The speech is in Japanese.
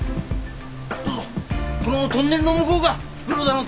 どうぞこのトンネルの向こうが袋田の滝です。